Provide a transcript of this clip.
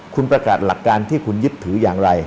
คุณประกาศหลักการที่คุณยึดถืออย่างไร